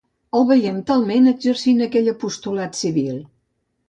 el veiem talment exercint aquell apostolat civil